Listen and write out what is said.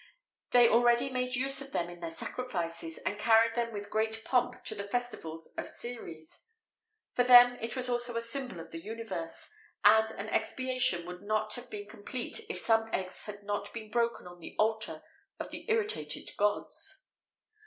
They already made use of them in their sacrifices, and carried them with great pomp in the festivals of Ceres.[XVIII 67] For them it was also a symbol of the universe, and an expiation would not have been complete if some eggs had not been broken on the altar of the irritated gods.